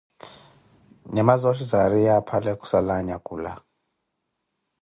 Nyama zooxhi zaariye aphale khusala anyakula.